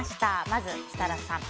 まず設楽さん。